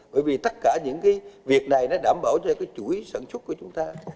bởi vì tất cả những việc này đảm bảo cho chuỗi sản xuất của chúng ta